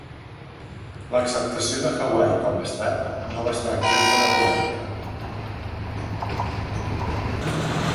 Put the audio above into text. L'acceptació de Hawaii com a estat no va estar exempta de polèmica.